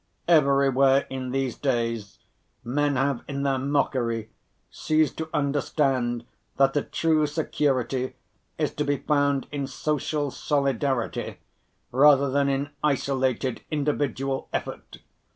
Everywhere in these days men have, in their mockery, ceased to understand that the true security is to be found in social solidarity rather than in isolated individual effort.